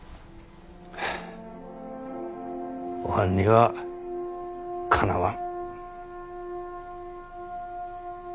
おはんにはかなわん。